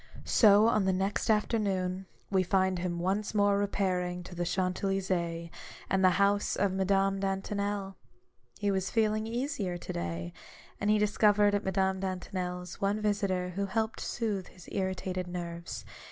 So on the next afternoon, we find him once more repairing to the Champs Elysees and the house of Madame DantoneL He was feeling easier to day ; and he discovered at Madame Dantonel's, one visitor who helped to soothe his irritated nerves.